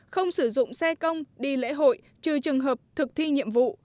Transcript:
không sử dụng xe công đi lễ hội trừ trường hợp thực thi nhiệm vụ